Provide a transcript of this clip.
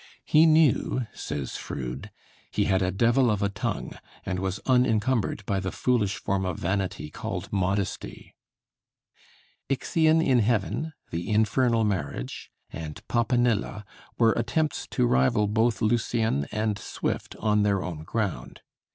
"He knew," says Froude, "he had a devil of a tongue, and was unincumbered by the foolish form of vanity called modesty." 'Ixion in Heaven,' 'The Infernal Marriage,' and 'Popanilla' were attempts to rival both Lucian and Swift on their own ground.